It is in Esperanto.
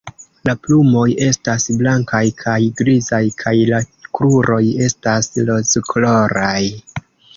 La plumoj estas blankaj kaj grizaj kaj la kruroj estas rozkoloraj.